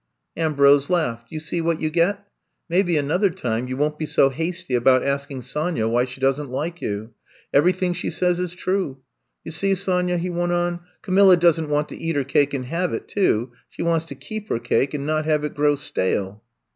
Ambrose laughed. You see what you get. Maybe another time you won't be so hasty about asking Sonya why she does n 't like you. Everything she says is true. You see, Sonya,*' he went on, Camilla does n 't want to eat her cake and have it, too; she wants to keep her cake and not have it grow stale.